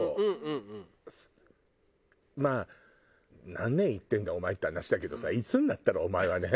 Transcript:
まあ何年言ってんだお前って話だけどさいつになったらお前はね